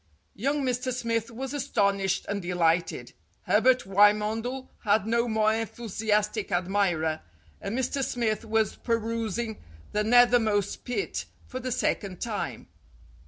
Young Mr. Smith was astonished and delighted. Herbert Wymondel had no more enthusiastic admirer, and Mr. Smith was perusing "The Nethermost Pit" for the second time.